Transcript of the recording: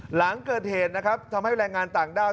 หลังเกิดเหตุทำให้รายงานต่างด้าว